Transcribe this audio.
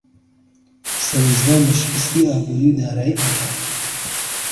سەرنجدان لە شکستی ئابووری و دارایی ئەنقەرە